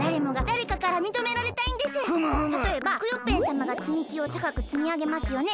たとえばクヨッペンさまがつみきをたかくつみあげますよね？